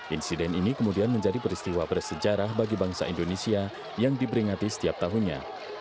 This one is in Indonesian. insiden ini kemudian menjadi peristiwa bersejarah bagi bangsa indonesia yang diperingati setiap tahunnya